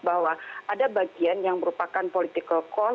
bahwa ada bagian yang merupakan political call